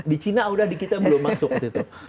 di cina udah dikitnya belum masuk waktu itu